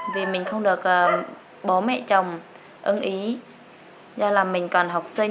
vì mình không được bố mẹ chồng ưng ý do là mình còn học sinh